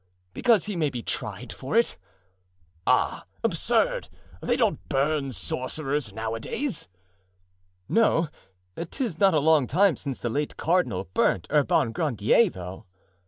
"Because he may be tried for it." "Ah! absurd! they don't burn sorcerers nowadays." "No? 'Tis not a long time since the late cardinal burnt Urban Grandier, though."